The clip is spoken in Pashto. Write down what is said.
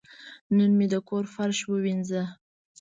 نن مې د کور فرش ووینځه.